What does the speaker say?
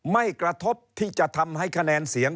ไม่กระทบที่จะทำให้คะแนนเสียง